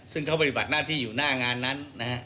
ซึ่งเขาปฏิบัติหน้าที่อยู่หน้างานนั้นนะฮะ